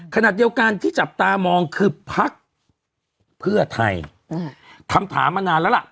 ขณะเดียวกันที่จับตามองคือพักเพื่อไทยคำถามมานานแล้วล่ะ